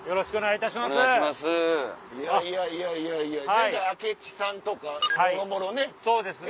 前回明智さんとかもろもろね。